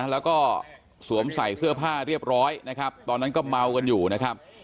แล้วก็สวมใส่เสื้อผ้าเรียบร้อยนะครับตอนนั้นก็เมากันอยู่นะครับ